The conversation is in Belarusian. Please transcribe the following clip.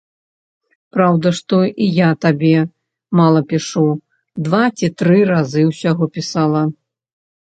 Праўда, што і я табе мала пішу, два ці тры разы ўсяго пісала.